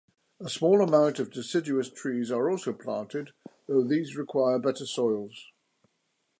A small amount of deciduous trees are also planted, though these require better soils.